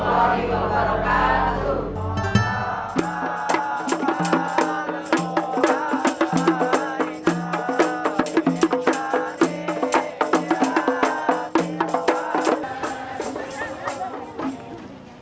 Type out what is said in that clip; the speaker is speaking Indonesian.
waalaikumsalam warahmatullahi wabarakatuh